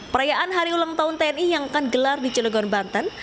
perayaan hari ulang tahun tni yang akan gelar di cilegon banten